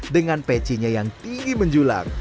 dengan pecinya yang tinggi menjulang